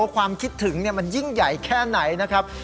ความคิดถึงมันยิ่งใหญ่แค่ไหนนะครับ